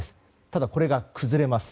ただ、これが崩れます。